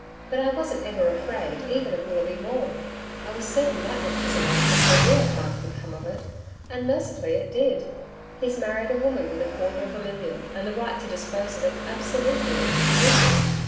But I wasn't ever afraid even of Willoughby Maule. I was certain that would fizzle out before real harm could come of it. And mercifully it did. He's married a woman with a quarter of a million and the right to dispose of it absolutely as she pleases.